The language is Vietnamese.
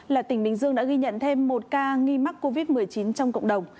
là tỉnh bình dương đã ghi nhận thêm một ca nghi mắc covid một mươi chín trong cộng đồng